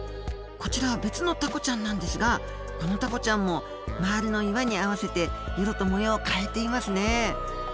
こちらは別のタコちゃんなんですがこのタコちゃんも周りの岩に合わせて色と模様を変えていますね。